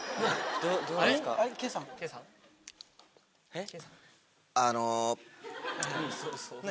えっ？